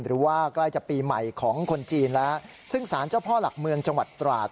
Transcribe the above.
หรือว่าใกล้จะปีใหม่ของคนจีนแล้วซึ่งสารเจ้าพ่อหลักเมืองจังหวัดตราด